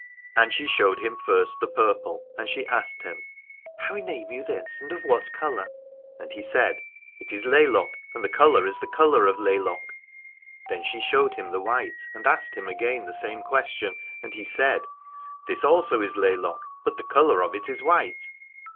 And she showed him first the purple, and she asked him : How name you this, and of what colour? And he said : It is laylock, and the colour is the colour of laylock. Then she showed him the white and asked him again the same question. And he said : This also is lay lock, but the colour of it is white.